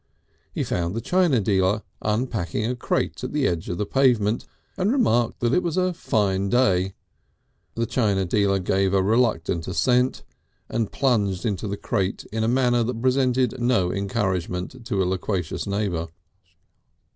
He found the china dealer unpacking a crate at the edge of the pavement, and remarked that it was a fine day. The china dealer gave a reluctant assent, and plunged into the crate in a manner that presented no encouragement to a loquacious neighbour.